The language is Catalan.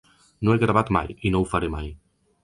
No he gravat mai, i no ho faré mai.